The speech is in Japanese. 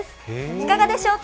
いかがでしょうか？